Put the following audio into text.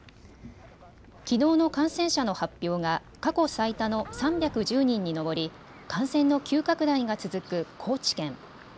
きのうの感染者の発表が過去最多の３１０人に上り感染の急拡大が続く高知県。